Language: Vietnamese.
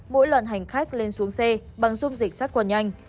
mỗi lần hành khách lên xuống xe bằng dung dịch sars cov hai